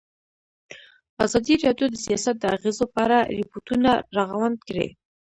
ازادي راډیو د سیاست د اغېزو په اړه ریپوټونه راغونډ کړي.